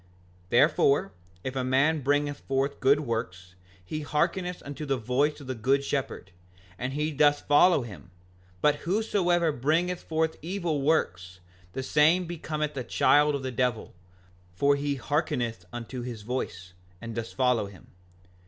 5:41 Therefore, if a man bringeth forth good works he hearkeneth unto the voice of the good shepherd, and he doth follow him; but whosoever bringeth forth evil works, the same becometh a child of the devil, for he hearkeneth unto his voice, and doth follow him.